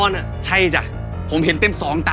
มันจะไปตายที่ไหนก็เรื่องของมัน